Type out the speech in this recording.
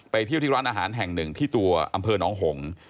เที่ยวที่ร้านอาหารแห่งหนึ่งที่ตัวอำเภอน้องหง